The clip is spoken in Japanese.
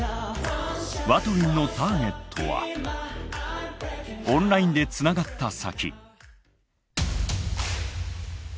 ＷＡＴＷＩＮＧのターゲットはオンラインでつながった先。